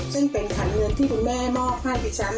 ซึ่งเป็นขันเงินที่คุณแม่มอบให้ดิฉัน